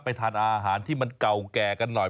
ทานอาหารที่มันเก่าแก่กันหน่อย